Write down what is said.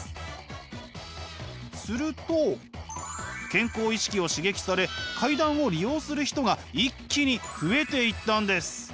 すると健康意識を刺激され階段を利用する人が一気に増えていったんです。